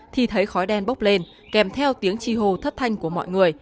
thì thấy khói đen bốc lên kèm theo tiếng chi hồ thất thanh của mọi người